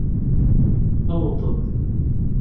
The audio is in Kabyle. Aweḍ-d!